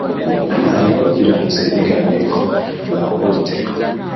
ariko biramutse bigaragaye ko bahohoterwa